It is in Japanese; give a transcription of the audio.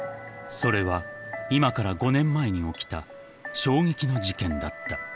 ［それは今から５年前に起きた衝撃の事件だった］